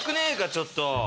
ちょっと。